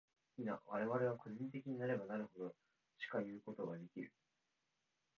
否、我々は個人的なればなるほど、しかいうことができる。